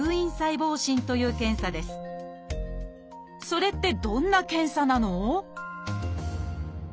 それってどんな検査なの？